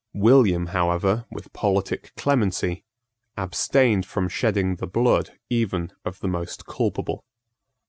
William, however, with politic clemency, abstained from shedding the blood even of the most culpable.